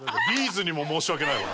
’ｚにも申し訳ないわ。